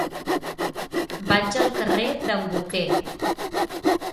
Vaig al carrer d'en Boquer.